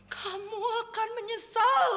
kamu akan menyesal